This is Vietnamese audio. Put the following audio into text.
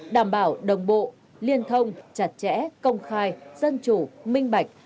đảm bảo đồng bộ liên thông chặt chẽ công khai dân chủ minh bạch